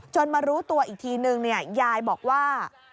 มารู้ตัวอีกทีนึงยายบอกว่า